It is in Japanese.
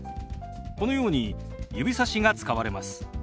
このように指さしが使われます。